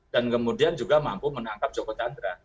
dan kemudian juga mampu menangkap joko tjandra